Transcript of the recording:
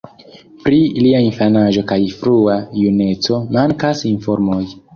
Pri lia infanaĝo kaj frua juneco mankas informoj.